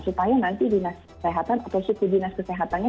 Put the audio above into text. supaya nanti dinas kesehatan atau suku dinas kesehatannya